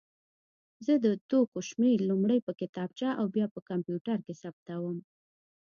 زه د توکو شمېر لومړی په کتابچه او بیا په کمپیوټر کې ثبتوم.